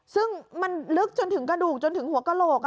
ซึ่งมันลึกจนถึงกระดูกจนถึงหัวกระโหลก